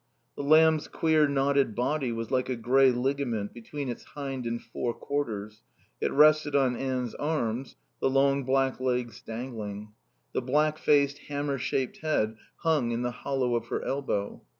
The lamb's queer knotted body was like a grey ligament between its hind and fore quarters. It rested on Anne's arms, the long black legs dangling. The black faced, hammer shaped head hung in the hollow of her elbow.